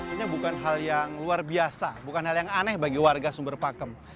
ini bukan hal yang luar biasa bukan hal yang aneh bagi warga sumber pakem